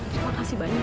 terima kasih banyak ya